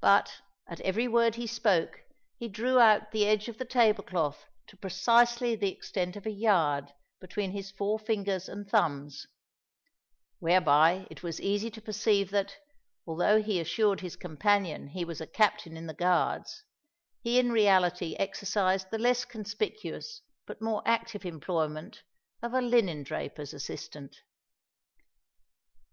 But, at every word he spoke, he drew out the edge of the table cloth to precisely the extent of a yard between his fore fingers and thumbs;—whereby it was easy to perceive that, although he assured his companion he was a captain in the Guards, he in reality exercised the less conspicuous but more active employment of a linen draper's assistant.